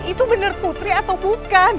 itu benar putri atau bukan